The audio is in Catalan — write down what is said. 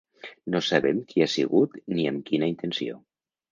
No sabem qui ha sigut ni amb quina intenció.